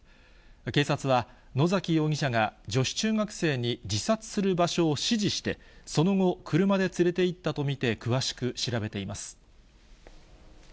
警察は、野崎容疑者が女子中学生に自殺する場所を指示して、その後、車で連れていったと見て、詳しく調べています。